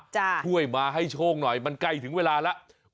ช่วยมาให้โชคหน่อยมันใกล้ถึงเวลาแล้ว